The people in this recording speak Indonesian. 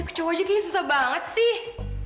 nggak kayaknya susah banget sih